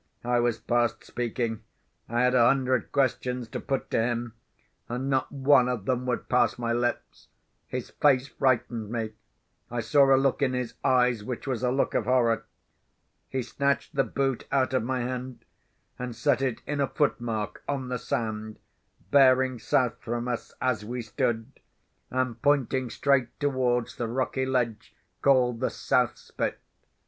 I was past speaking. I had a hundred questions to put to him; and not one of them would pass my lips. His face frightened me. I saw a look in his eyes which was a look of horror. He snatched the boot out of my hand, and set it in a footmark on the sand, bearing south from us as we stood, and pointing straight towards the rocky ledge called the South Spit.